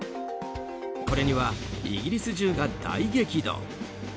これにはイギリス中が大激怒。